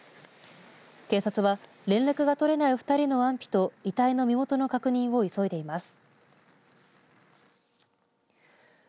検察は連絡が取れない２人の安否と遺体の身元の確認を急いでいます。